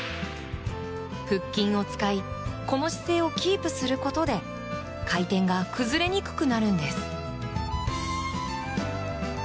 腹筋を使いこの姿勢をキープすることで回転が崩れにくくなるんです。